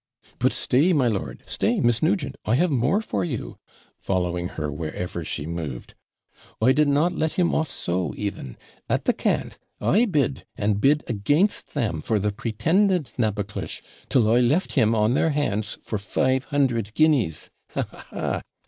'But stay, my lord stay, Miss Nugent I have more for you,' following her wherever she moved. 'I did not let him off so, even. At the cant, I bid and bid against them for the pretended Naboclish, till I, left him on their hands for 500 guineas. Ha! ha!